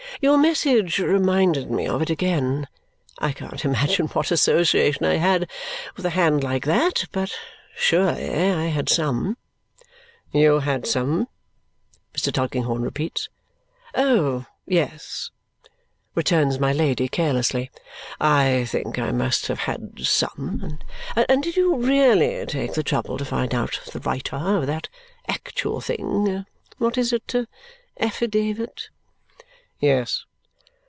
Your message reminded me of it again. I can't imagine what association I had with a hand like that, but I surely had some." "You had some?" Mr. Tulkinghorn repeats. "Oh, yes!" returns my Lady carelessly. "I think I must have had some. And did you really take the trouble to find out the writer of that actual thing what is it! affidavit?" "Yes."